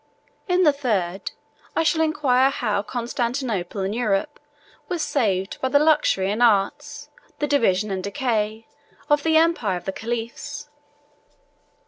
In the third, I shall inquire how Constantinople and Europe were saved by the luxury and arts, the division and decay, of the empire of the caliphs.